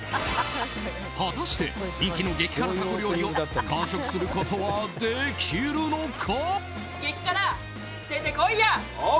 果たして人気の激辛タコ料理を完食することはできるのか？